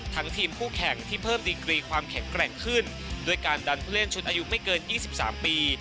ทีมคู่แข่งที่เพิ่มดีกรีความแข็งแกร่งขึ้นด้วยการดันผู้เล่นชุดอายุไม่เกิน๒๓ปี